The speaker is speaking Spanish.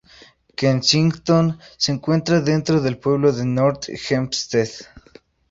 Kensington se encuentra dentro del pueblo de North Hempstead.